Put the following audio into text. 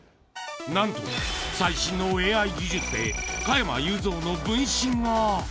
なんと最新のＡＩ技術で、加山雄三の分身が。